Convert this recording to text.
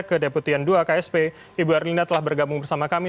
ke deputian dua ksp ibu erlina telah bergabung bersama kami